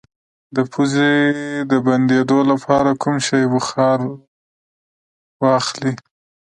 د پوزې د بندیدو لپاره د کوم شي بخار واخلئ؟